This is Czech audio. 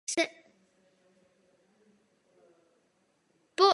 Po filmu následovalo zpracování seriálu a série knih.